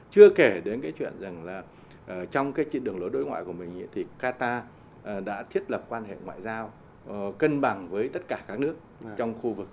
chưa kể đến cái chuyện rằng là trong cái đường lối đối ngoại của mình thì qatar đã thiết lập quan hệ ngoại giao cân bằng với tất cả các nước trong khu vực